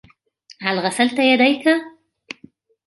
هل غسلت يديك ؟